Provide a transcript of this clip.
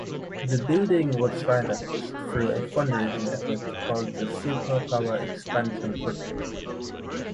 The building was financed through a fundraising effort called the Super Power Expansion Project.